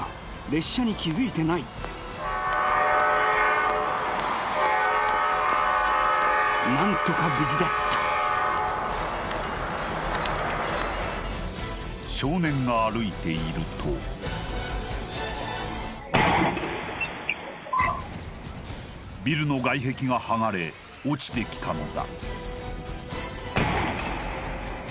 列車に気づいてない何とか無事だった少年が歩いているとビルの外壁が剥がれ落ちてきたのだ